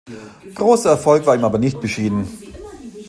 Großer Erfolg war ihm aber nicht beschieden.